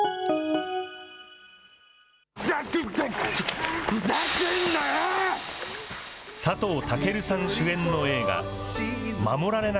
ふざけんな！